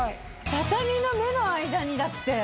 畳の目の間にだって。